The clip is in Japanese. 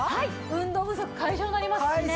運動不足解消になりますしね。